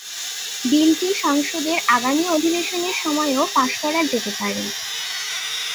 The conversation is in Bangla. বিলটি সংসদের আগামী অধিবেশনের সময়ও পাস করা যেতে পারে।